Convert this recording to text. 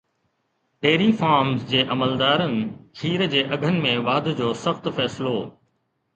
dairy farms جي عملدارن کير جي اگهن ۾ واڌ جو سخت فيصلو